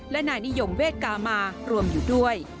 และนายนิยมเวทกามารวมอยู่ด้วย